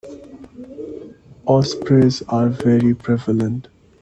Ospreys are very prevalent.